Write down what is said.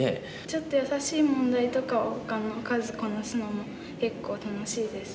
ちょっとやさしい問題とかを数こなすのも結構楽しいです。